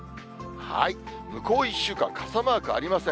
向こう１週間、傘マークありません。